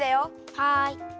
はい。